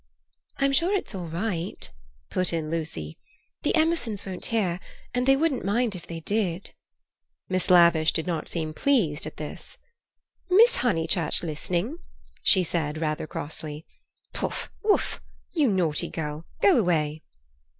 "I'm sure it's all right," put in Lucy. "The Emersons won't hear, and they wouldn't mind if they did." Miss Lavish did not seem pleased at this. "Miss Honeychurch listening!" she said rather crossly. "Pouf! Wouf! You naughty girl! Go away!"